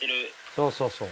そうそうそう。